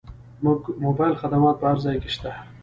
موبایل خدمات په هر ځای کې شته.